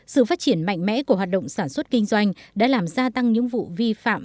sự phát triển mạnh mẽ của hoạt động sản xuất kinh doanh đã làm gia tăng những vụ vi phạm